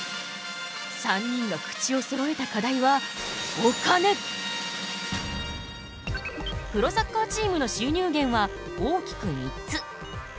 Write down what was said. ３人が口をそろえた課題はプロサッカーチームの収入源は大きく３つ。